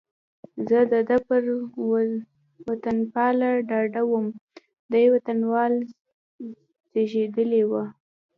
زه د ده پر وطنپالنه ډاډه وم، دی وطنپال زېږېدلی و.